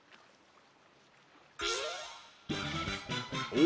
お？